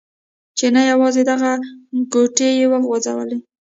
چې نه یوازې دغه کوټې يې و غورځولې.